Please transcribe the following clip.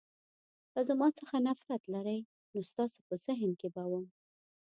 که زما څخه نفرت لرئ نو ستاسو په ذهن کې به وم.